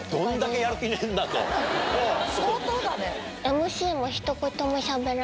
相当だね。